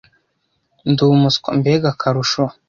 ndi umuswa mbega akarusho